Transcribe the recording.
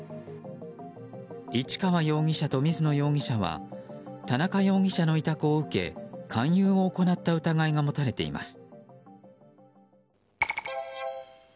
市川容疑者と水野容疑者は田中容疑者の委託を受け勧誘を行った疑いが持たれています。